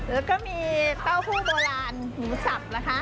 แล้วก็มีโต้ผู้โบลานหมูสับ